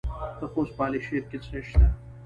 د خوست په علي شیر کې څه شی شته؟